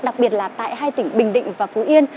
đặc biệt là tại hai tỉnh bình định và phú yên